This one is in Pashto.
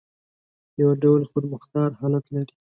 یو ډول خودمختار حالت لري.